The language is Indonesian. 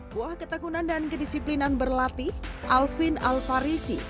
buah ketakunan dan kedisiplinan berlatih alvin alfarisi